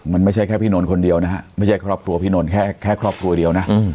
มันไม่ใช่แค่พี่นนท์คนเดียวนะฮะไม่ใช่ครอบครัวพี่นนทแค่ครอบครัวเดียวนะ